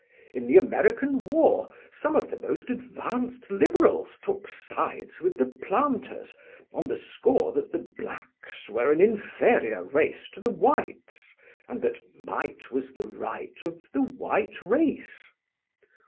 In the American War some of the most advanced Liberals took sides with the planters on the score that the blacks were an inferior race to the whites, and that might was the right of the white race."